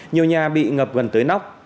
nhiều nhà bị ngập gần tới nóc